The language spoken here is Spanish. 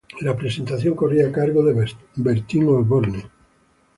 La presentación corría a cargo de Bertín Osborne.